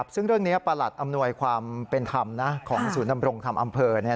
ซึ่งเรื่องนี้ประหลัดอำนวยความเป็นธรรมของศูนย์ดำรงธรรมอำเภอ